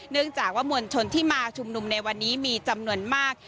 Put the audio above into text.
เนื่องจากว่ามวลชนที่มาชุมนุมในวันนี้มีจำนวนมาก